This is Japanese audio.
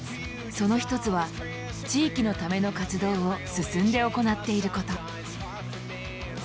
その一つは地域のための活動を進んで行っていること。